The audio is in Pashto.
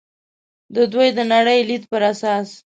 د دوی د نړۍ لید پر اساس.